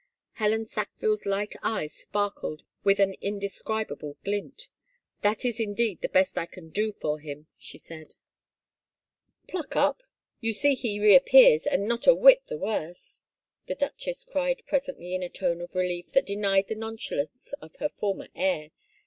Helen Sackville's light eyes sparkled with an inde scribable glint. " That is indeed the best I can do for him," she said. " Pluck up — you see he reappears and not a whit the worse," the duchess cried presently in a tone of relief that denied the nonchalance of her former air.